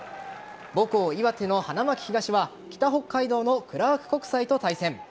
母校・岩手の花巻東は北北海道のクラーク国際と対戦。